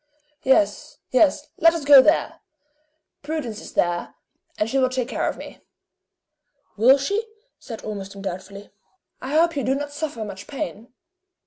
"Yes. Yes. Let us go there! Prudence is there, and she will take care of me.". "Will she?" said Ormiston, doubtfully. "I hope you do not suffer much pain!"